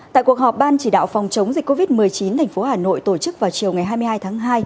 tại cuộc họp ban chỉ đạo phòng chống dịch covid một mươi chín tp hà nội tổ chức vào chiều hai mươi hai tháng hai